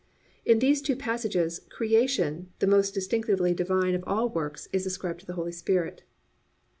"+ In these two passages creation, the most distinctively divine of all works, is ascribed to the Holy Spirit.